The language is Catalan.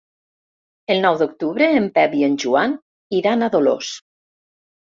El nou d'octubre en Pep i en Joan iran a Dolors.